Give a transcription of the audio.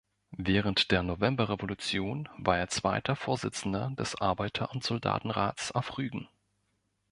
Während der Novemberrevolution war er zweiter Vorsitzender des Arbeiter- und Soldatenrats auf Rügen.